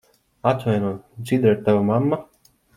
Atvaino, Dzidra ir tava mamma?